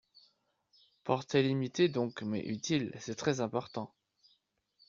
Portée limitée donc, mais utile, C’est très important